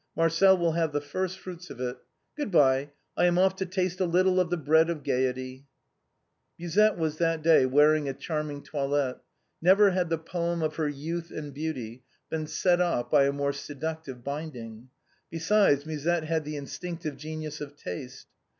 Marcel will have the first fruits of it. Good bye, I am off to taste a little of the bread of gaiety." Musette was that day wearing a charming toilette; never had the poem of her youth and beauty been set off by a more seductive binding. Besides, Musette had the instinctive genius of taste.